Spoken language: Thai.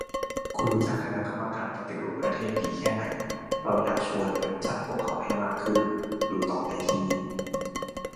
คุณรู้จัก คณะกรรมการปฏิรูปประเทศ ดีแค่ไหน ? เราอยากชวนไปรู้จักพวกเขาให้มากขึ้น ดูต่อได้ที่